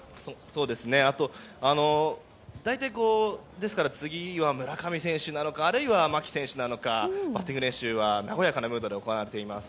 ですから、次は村上選手なのかあるいは牧選手なのかバッティング練習は和やかなムードで行われています。